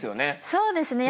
そうですね。